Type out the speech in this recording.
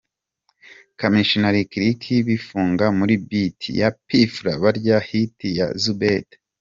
Kamichi na Lick bifunga muri beat ya P Fla ,barya hit ya Zoubeda ,.